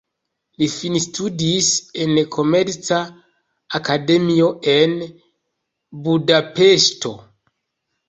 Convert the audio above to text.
Li finstudis en komerca akademio, en Budapeŝto.